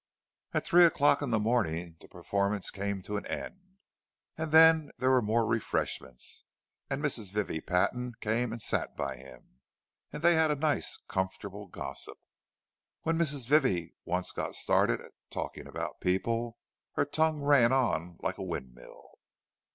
At three o'clock in the morning the performance came to an end, and then there were more refreshments; and Mrs. Vivie Patton came and sat by him, and they had a nice comfortable gossip. When Mrs. Vivie once got started at talking about people, her tongue ran on like a windmill.